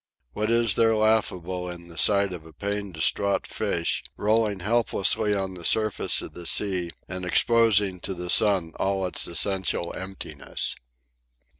What is there laughable in the sight of a pain distraught fish rolling helplessly on the surface of the sea and exposing to the sun all its essential emptiness?